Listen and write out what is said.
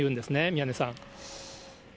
宮根さん。